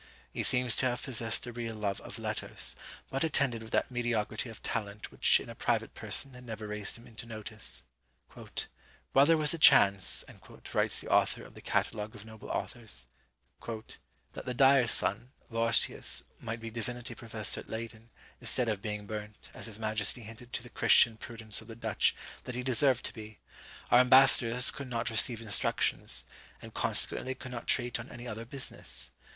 He seems to have possessed a real love of letters, but attended with that mediocrity of talent which in a private person had never raised him into notice. "While there was a chance," writes the author of the Catalogue of Noble Authors, "that the dyer's son, Vorstius, might be divinity professor at Leyden, instead of being burnt, as his majesty hinted to the Christian prudence of the Dutch that he deserved to be, our ambassadors could not receive instructions, and consequently could not treat on any other business.